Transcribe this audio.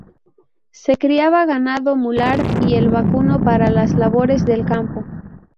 Se criaba ganado mular, y el vacuno para las labores del campo.